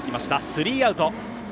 スリーアウト。